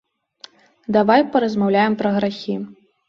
Давай паразмаўляем пра грахі.